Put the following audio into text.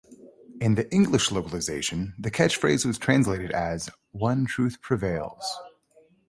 In the English localization, the catch phrase was translated as "One Truth Prevails".